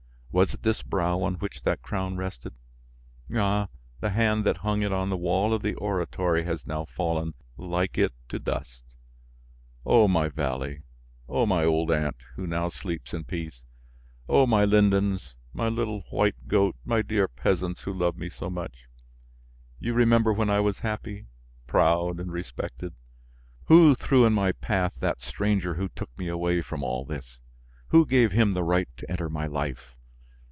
Was it this brow on which that crown rested? Ah! the hand that hung it on the wall of the oratory has now fallen, like it, to dust! O my valley! O my old aunt, who now sleeps in peace! O my lindens, my little white goat, my dear peasants who loved me so much! You remember when I was happy, proud, and respected? Who threw in my path that stranger who took me away from all this? Who gave him the right to enter my life?